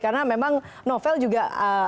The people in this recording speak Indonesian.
karena memang novel juga